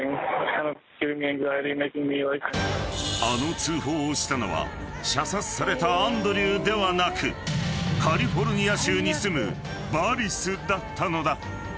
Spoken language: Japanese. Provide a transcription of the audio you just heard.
［あの通報をしたのは射殺されたアンドリューではなくカリフォルニア州に住むバリスだったのだ］